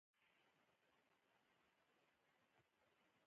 د حافظ شیرازي په بل غزل کې د دوو سېلابونو توپیر.